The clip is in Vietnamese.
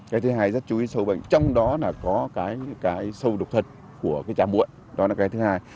cái thứ hai rất chú ý sâu bệnh trong đó là có cái sâu đục thật của cái giá muộn đó là cái thứ hai